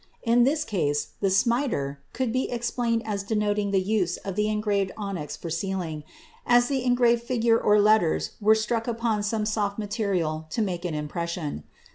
In this case "the smiter" could be explained as denoting the use of the engraved onyx for sealing, as the engraved figure or letters were struck upon some soft material to make an impression.